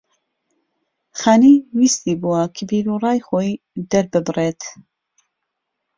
خانی ویستی بووە کە بیرو ڕای خۆی دەرببڕێت